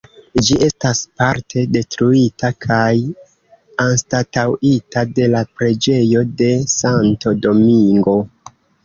Ĝi estas parte detruita kaj anstataŭita de la preĝejo de Santo Domingo.